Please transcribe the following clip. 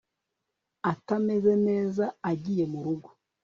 atameze neza agiye murugo